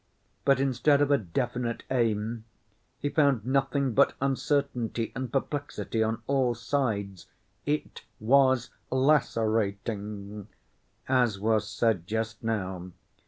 But instead of a definite aim, he found nothing but uncertainty and perplexity on all sides. "It was lacerating," as was said just now.